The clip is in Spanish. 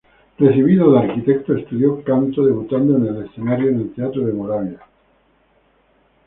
Recibido de arquitecto, estudió canto debutando en el escenario en el Teatro de Moravia.